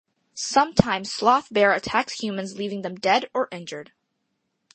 Sometimes Sloth Bear attacks humans leaving them dead or injured.